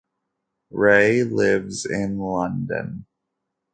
Rae lives in London.